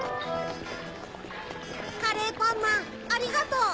カレーパンマンありがとう！